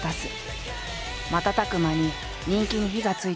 瞬く間に人気に火がついていく。